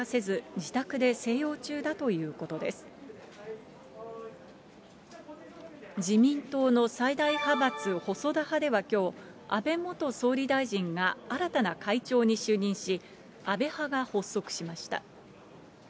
自民党の最大派閥、細田派ではきょう、安倍元総理大臣が新たな会長に就任し、安倍派が発足しました。